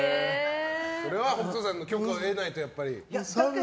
それは北斗さんの許可を得ないとやっぱり？